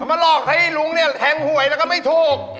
มันมาหลอกให้ลุงแท้งหวยแล้วก็ไม่ถูก